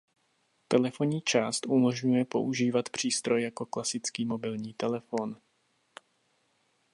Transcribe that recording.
Telefonní část umožňuje používat přístroj jako klasický mobilní telefon.